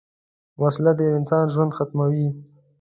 وسله د یوه انسان ژوند ختموي